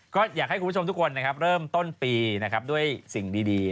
ก็อยากให้คุณผู้ชมทุกคนเริ่มต้นปีด้วยสิ่งดี